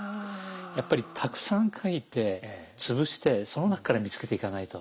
やっぱりたくさん描いて潰してその中から見つけていかないと。